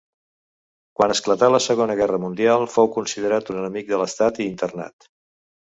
Quan esclatà la Segona Guerra Mundial fou considerat un enemic de l'estat i internat.